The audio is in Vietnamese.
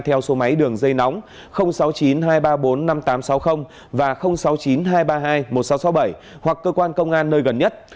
theo số máy đường dây nóng sáu mươi chín hai trăm ba mươi bốn năm nghìn tám trăm sáu mươi và sáu mươi chín hai trăm ba mươi hai một nghìn sáu trăm sáu mươi bảy hoặc cơ quan công an nơi gần nhất